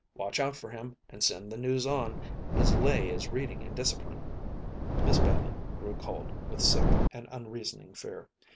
Watch out for him, and send the news on. His lay is reading and discipline." Miss Bailey grew cold with sick and unreasoning fear.